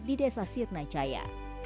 di desa sirnajaya